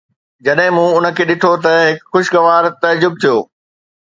جڏهن مون ان کي ڏٺو ته هڪ خوشگوار تعجب ٿيو